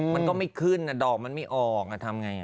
มันก็ไม่ขึ้นดอกมันไม่ออกทำไง